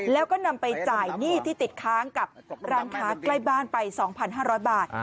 แล้วก็นำไปจ่ายหนี้ที่ติดค้างกับร้านค้าใกล้บ้านไป๒๕๐๐บาท